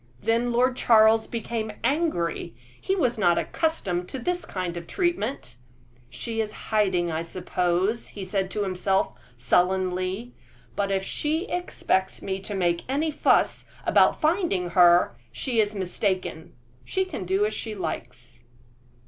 Then Lord Charles became angry; he was not accustomed to this kind of treatment. "She is hiding, I suppose," he said to himself, sullenly; "but if she expects me to make any fuss about finding her, she is mistaken. She can do as she likes."